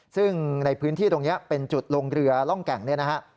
ซึ่งในพื้นที่ตรงนี้เป็นจุดลงเรือร่องแก่งเนี่ยนะฮะ